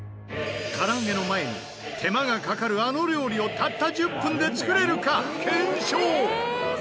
唐揚げの前に手間がかかるあの料理をたった１０分で作れるか検証！